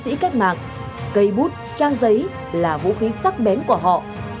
các báo chí cách mạng cây bút trang giấy là vũ khí sắc bén của họ